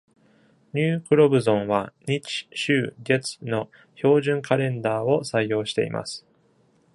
ニュー・クロブゾンは、日、週、月の標準カレンダーを採用しています。